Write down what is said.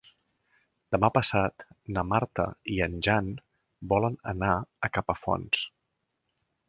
Demà passat na Marta i en Jan volen anar a Capafonts.